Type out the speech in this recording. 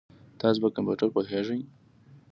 تاسو په کمپیوټر پوهیږئ؟